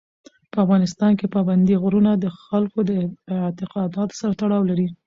په افغانستان کې پابندی غرونه د خلکو د اعتقاداتو سره تړاو لري.